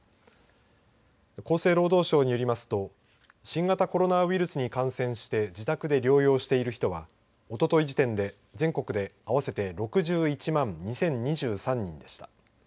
厚生労働省によりますと新型コロナウイルスに感染して自宅で療養している人はおととい時点で、全国で合わせて６１万２０２３人でした。